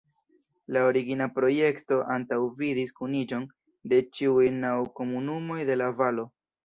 La origina projekto antaŭvidis kuniĝon de ĉiuj naŭ komunumoj de la valo.